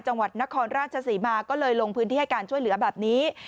จังหวัดนครราชศรีมาก็เลยลงพื้นที่ให้การช่วยเหลือแบบนี้